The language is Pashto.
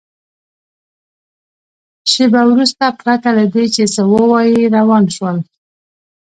شېبه وروسته پرته له دې چې څه ووایي روان شول.